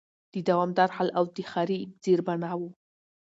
د دوامدار حل او د ښاري زېربناوو